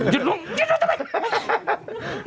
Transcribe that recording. หยุดลงหยุดลงทำไม